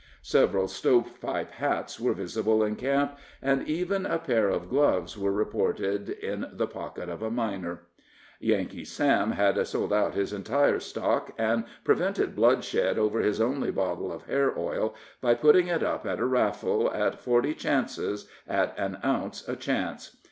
Several stove pipe hats were visible in camp, and even a pair of gloves were reported in the pocket of a miner. Yankee Sam had sold out his entire stock, and prevented bloodshed over his only bottle of hair oil by putting it up at a raffle, in forty chances, at an ounce a chance.